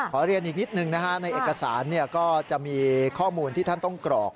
ขอเรียนอีกนิดนึงนะฮะในเอกสารก็จะมีข้อมูลที่ท่านต้องกรอก